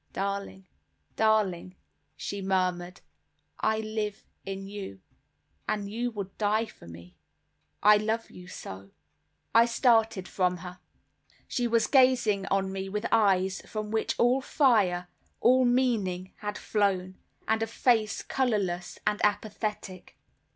"Darling, darling," she murmured, "I live in you; and you would die for me, I love you so." I started from her. She was gazing on me with eyes from which all fire, all meaning had flown, and a face colorless and apathetic.